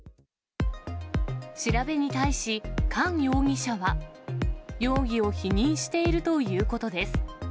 調べに対し、韓容疑者は容疑を否認しているということです。